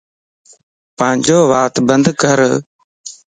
پانجو وات بند ڪر